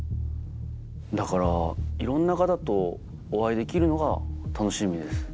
だからいろんな方とお会いできるのが楽しみです。